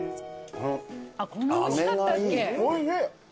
こんなおいしかったっけ。